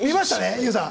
ＹＯＵさん！